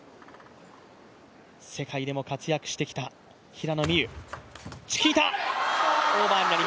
世界でも活躍してきた平野美宇。